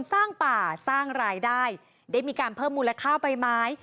สร้างป่าสร้างรายได้ได้มีการเพิ่มมูลค่าใบไม้